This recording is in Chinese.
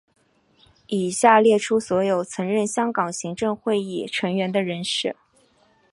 以下列出所有曾任香港行政会议成员的人士。